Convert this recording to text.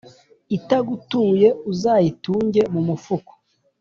Itagutuye uzayitunge mu mufuka.